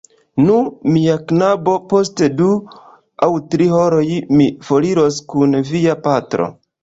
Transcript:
Nu, mia knabo, post du aŭ tri horoj mi foriros kun via patro...